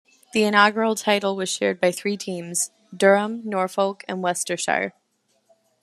The inaugural title was shared by three teams: Durham, Norfolk and Worcestershire.